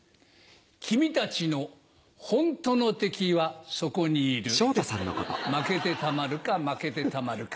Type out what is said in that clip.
君たちのホントの敵はそこにいる負けてたまるか負けてたまるか。